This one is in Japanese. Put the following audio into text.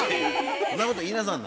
そんなこと言いなさんな。